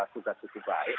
sudah cukup baik